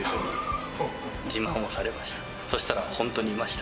そしたら、本当にいました。